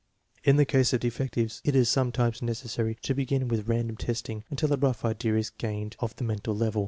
In the case of defectives it is sometimes necessary to be gin with random testing, until a rough idea is gained of the mental level.